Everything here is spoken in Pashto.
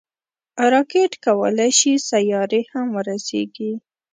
راکټ کولی شي سیارې هم ورسیږي